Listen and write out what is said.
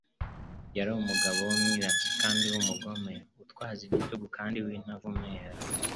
Yari umugabo w'umwirasi kandi w'umugome, utwaza igitugu kandi w'intavumera.